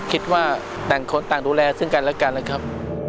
คิดว่าต่างคนต่างดูแลซึ่งกันและกันนะครับ